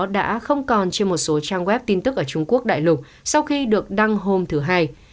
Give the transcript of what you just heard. đã không còn trên một số trang web tin tức ở trung quốc đại lục sau khi được đăng hôm thứ hai